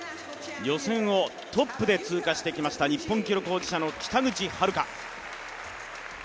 予選をトップで通過してきました、日本記録保持者の北口榛花。